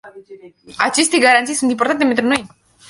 Aceste garanții sunt importante pentru noi.